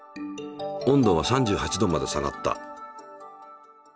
温度は３８℃まで下がった。